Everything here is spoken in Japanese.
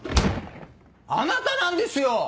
あなたなんですよ！